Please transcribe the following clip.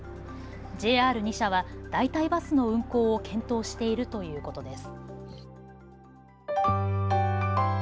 ＪＲ２社は代替バスの運行を検討しているということです。